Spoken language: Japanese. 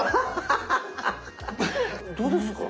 どうですか？